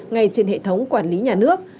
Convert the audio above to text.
ngay trên hệ thống quản lý nhà nước